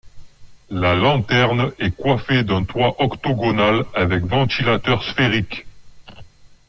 La lanterne est coiffée d'un toit octogonal avec ventilateur sphérique.